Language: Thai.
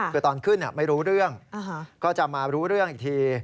คือตอนขึ้นไม่รู้เรื่องก็จะมารู้เรื่องอีกที